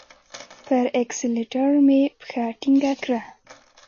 پر اکسلېټر مي پښه ټینګه کړه !